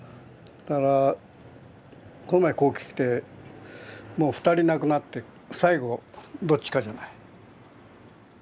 だからこの前ここ来てもう２人亡くなって最後どっちかじゃない？